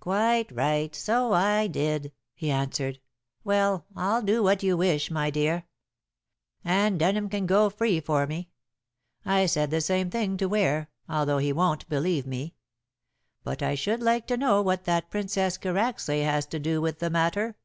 "Quite right; so I did," he answered. "Well, I'll do what you wish, my dear. Anne Denham can go free for me. I said the same thing to Ware, although he won't believe me. But I should like to know what that Princess Karacsay has to do with the matter."